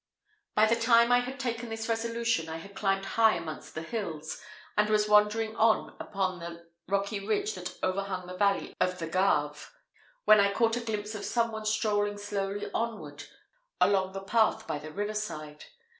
By the time I had taken this resolution, I had climbed high amongst the hills, and was wandering on upon the rocky ridge that overhung the valley of the Gave, when I caught a glimpse of some one strolling slowly onward along the path by the riverside.